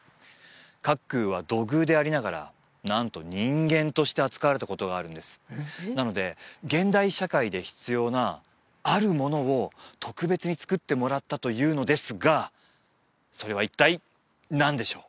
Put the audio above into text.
茅空は土偶でありながらなんと人間として扱われたことがあるんですなので現代社会で必要なあるものを特別に作ってもらったというのですがそれは一体何でしょう？